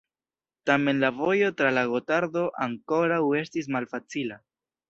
Tamen la vojo tra la Gotardo ankoraŭ estis malfacila.